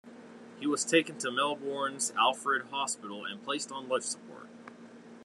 He was taken to Melbourne's Alfred Hospital and placed on life support.